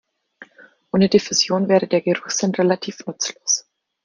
Ohne Diffusion wäre der Geruchssinn relativ nutzlos.